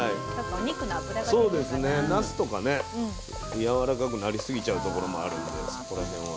なすとかねやわらかくなりすぎちゃうところもあるんでそこら辺は。